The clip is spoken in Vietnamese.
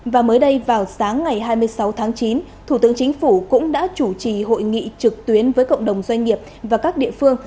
và mới đây vào sáng ngày hai mươi sáu tháng chín thủ tướng chính phủ cũng đã chủ trì hội nghị trực tuyến với cộng đồng doanh nghiệp và các địa phương